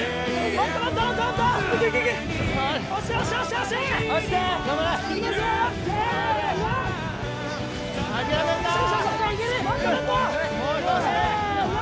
もっともっと！せの！